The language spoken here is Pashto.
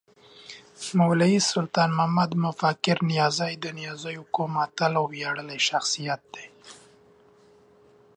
مولوي سلطان محمد مفکر نیازی د نیازيو قوم اتل او وياړلی شخصیت دی